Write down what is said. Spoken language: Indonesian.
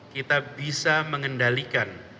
kita bisa mengendalikan